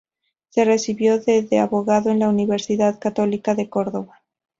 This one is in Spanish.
Se recibió de de abogado en la Universidad Católica de Córdoba.